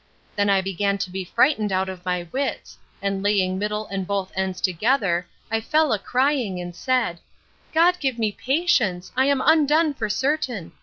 —Then I began to be frightened out of my wits; and laying middle and both ends together, I fell a crying, and said, God give me patience! I am undone for certain!